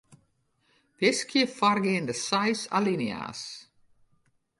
Wiskje foargeande seis alinea's.